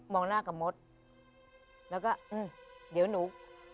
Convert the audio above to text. หน้ากับมดแล้วก็อืมเดี๋ยวหนู